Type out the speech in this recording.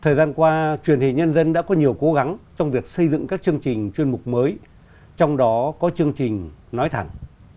thời gian qua truyền hình nhân dân đã có nhiều cố gắng trong việc xây dựng các chương trình chuyên mục mới trong đó có chương trình nói thẳng